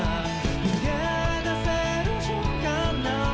「逃げ出せる瞬間なんて」